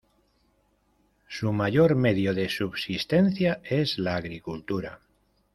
Su mayor medio de subsistencia es la Agricultura.